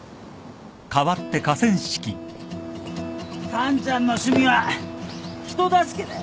カンちゃんの趣味は人助けだよ。